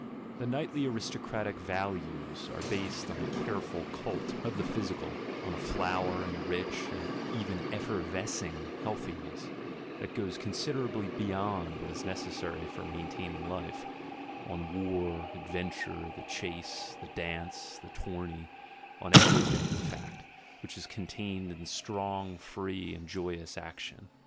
The knightly aristocratic "values" are based on a careful cult of the physical, on a flowering, rich, and even effervescing healthiness, that goes considerably beyond what is neces sary for maintaining life, on war, adventure, the chase, the dance, the tourney — on everything, in fact, which is contained in strong, free, and joyous action.